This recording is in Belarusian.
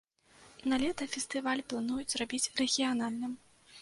Налета фестываль плануюць зрабіць рэгіянальным.